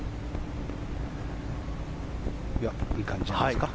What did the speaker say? いい感じですか。